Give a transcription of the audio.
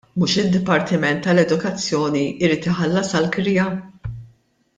Mhux id-dipartiment tal-edukazzjoni jrid iħallasha l-kirja?!